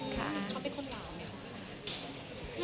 เขาเป็นคนหล่าวไหม